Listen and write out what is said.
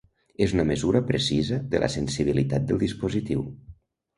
És una mesura precisa de la sensibilitat del dispositiu.